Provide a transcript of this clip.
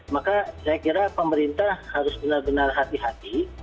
maka saya kira pemerintah harus benar benar hati hati